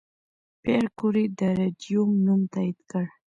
پېیر کوري د راډیوم نوم تایید کړ.